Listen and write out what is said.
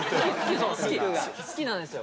好き好きなんですよ。